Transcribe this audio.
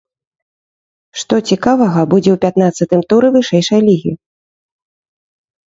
Што цікавага будзе ў пятнаццатым туры вышэйшай лігі?